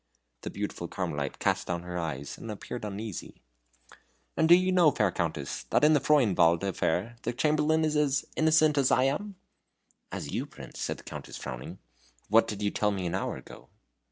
The beautiful Carmelite cast down her eyes, and appeared uneasy. "And do you know, fair Countess, that in the Freudenwald affair the Chamberlain is as innocent as I am?" "As you, Prince?" said the Countess, frowning, "what did you tell me an hour ago?"